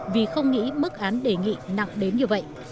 vì không nghĩ mức án đề nghị nặng đến như vậy